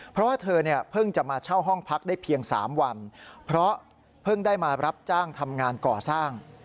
เพราะว่าเธอเนี่ยเพิ่งจะมาเช่าห้องพักได้เพียง๓วันเพราะเพิ่งได้มารับจ้างทำงานก่อสร้าง